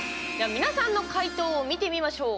皆さんの解答を見てみましょう。